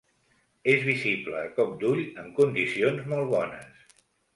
És visible a cop d'ull en condicions molt bones.